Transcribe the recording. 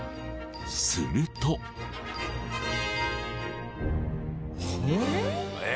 すると。え？